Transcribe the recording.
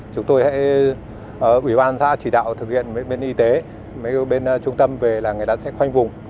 chúng tôi hãy ủy ban xã chỉ đạo thực hiện bên y tế bên trung tâm về là người ta sẽ khoanh vùng